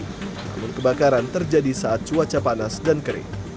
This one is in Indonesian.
namun kebakaran terjadi saat cuaca panas dan kering